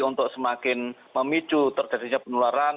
untuk semakin memicu terjadinya penularan